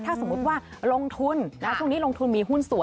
ถ้าสมมุติว่าลงทุนช่วงนี้ลงทุนมีหุ้นส่วน